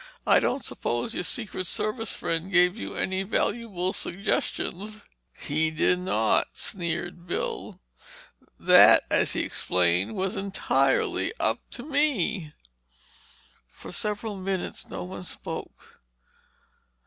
I don't suppose your Secret Service friend gave you any valuable suggestions?" "He did not," sneered Bill. "That, as he explained, was entirely up to me!" For several minutes no one spoke.